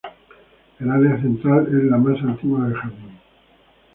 El área central es la más antigua del jardín.